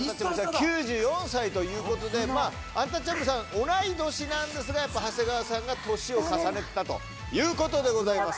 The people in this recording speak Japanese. ９４歳ということでアンタッチャブルさん同い年なんですがやっぱ長谷川さんが年を重ねてたということでございます